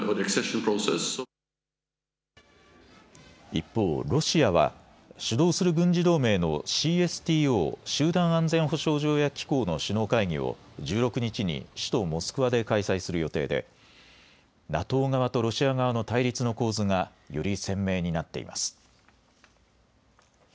一方、ロシアは主導する軍事同盟のＣＳＴＯ・集団安全保障条約機構の首脳会議を１６日に首都モスクワで開催する予定でＮＡＴＯ側とロシア側の対立の構図がより鮮明になっています。